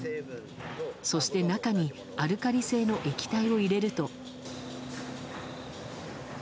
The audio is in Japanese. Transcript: そして、中にアルカリ性の液体を入れると。